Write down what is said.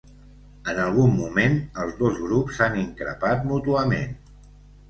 En algun moment els dos grups s’han increpat mútuament.